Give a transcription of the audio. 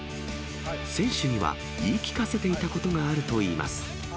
選手には、言い聞かせていたことがあるといいます。